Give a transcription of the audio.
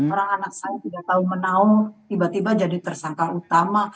orang anak saya tidak tahu menaung tiba tiba jadi tersangka utama